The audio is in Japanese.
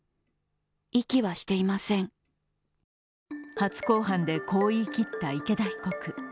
初公判でこう言い切った池田被告。